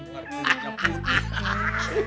warung hidungnya putih